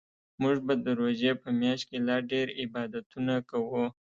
موږ به د روژې په میاشت کې لا ډیرعبادتونه کوو